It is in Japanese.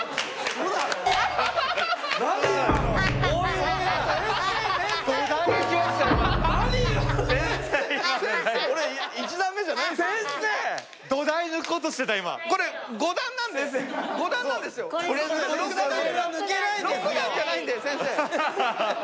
６段じゃないんで先生。